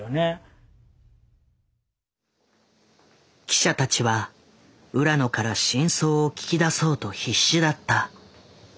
記者たちは浦野から真相を聞き出そうと必死だった。